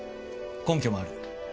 根拠もある。